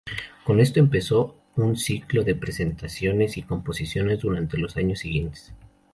Con esto empezó un ciclo de presentaciones y composiciones durante los años siguientes.